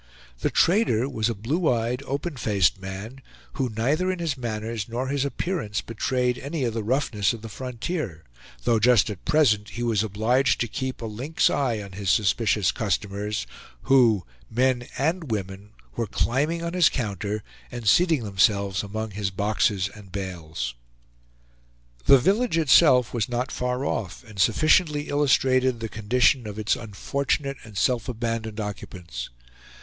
The trader was a blue eyed open faced man who neither in his manners nor his appearance betrayed any of the roughness of the frontier; though just at present he was obliged to keep a lynx eye on his suspicious customers, who, men and women, were climbing on his counter and seating themselves among his boxes and bales. The village itself was not far off, and sufficiently illustrated the condition of its unfortunate and self abandoned occupants.